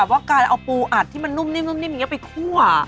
ว่าการเอาปูอัดที่มันนุ่มนิ่มอย่างนี้ไปคั่ว